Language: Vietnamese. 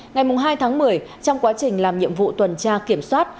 ngày hai tháng một mươi trong quá trình làm nhiệm vụ tuần tra kiểm soát